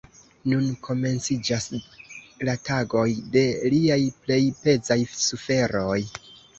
Nun komenciĝas la tagoj de liaj plej pezaj suferoj.